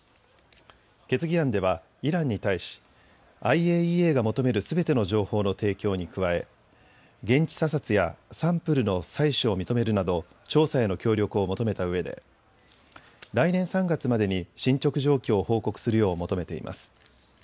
決議案ではイランに対しＩＡＥＡが求めるすべての情報の提供に加え、現地査察やサンプルの採取を認めるなど調査への協力を求めたうえで来年３月までに進捗状況を報告するよう求めています。